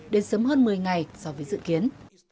đến sớm hơn một mươi ngày so với dự kiến